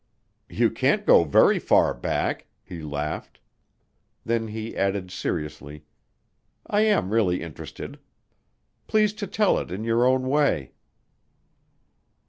"You can't go very far back," he laughed. Then he added seriously, "I am really interested. Please to tell it in your own way."